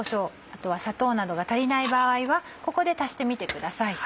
あとは砂糖などが足りない場合はここで足してみてください。